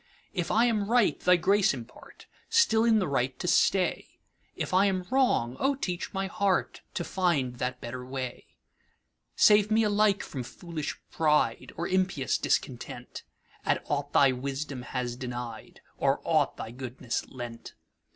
If I am right, thy grace impart, Still in the right to stay; If I am wrong, O teach my heartTo find that better way. Save me alike from foolish PrideOr impious Discontent, At aught thy wisdom has denied, Or aught thy goodness lent.